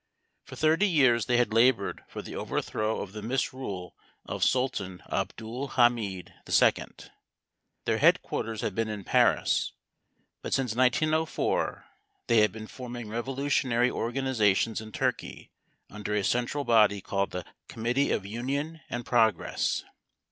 For thirty years they had labored for the overthrow of the misrule of Sultan Abdul Hamid II. Their headquarters had been in Paris, but since 1904 they had been forming revolutionary organizations in Turkey under a central body called the Committee of Union and Progress.